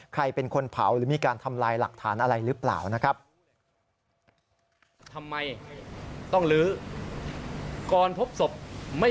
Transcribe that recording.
ใครเป็นคนเผาหรือมีการทำลายหลักฐานอะไรหรือเปล่านะครับ